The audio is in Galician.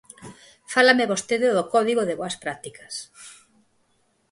Fálame vostede do Código de boas prácticas.